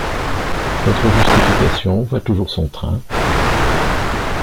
Notre justification va toujours son train.